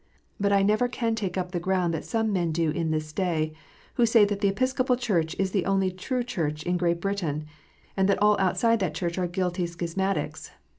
But I never can take up the ground that some men do in this day, who say that the Episcopal Church is the only true Church in Great Britain, and that all outside that Church are guilty schismatics.